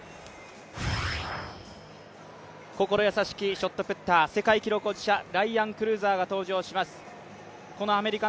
心優しきショットプッター、ライアン・クルーザーが登場します